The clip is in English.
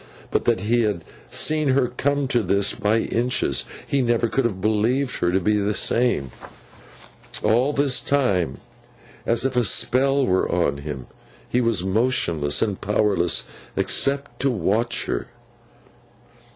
But that he had seen her come to this by inches, he never could have believed her to be the same. All this time, as if a spell were on him, he was motionless and powerless, except to watch her.